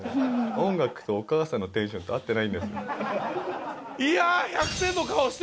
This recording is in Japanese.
音楽とお母さんのテンションが合ってないんだって。